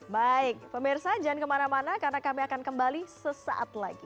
baik pemirsa jangan kemana mana karena kami akan kembali sesaat lagi